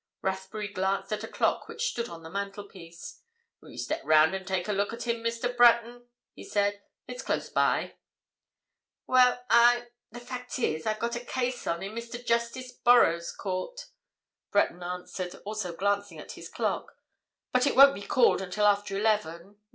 Rathbury glanced at a clock which stood on the mantelpiece. "Will you step round and take a look at him, Mr. Breton?" he said. "It's close by." "Well—I—the fact is, I've got a case on, in Mr. Justice Borrow's court," Breton answered, also glancing at his clock. "But it won't be called until after eleven.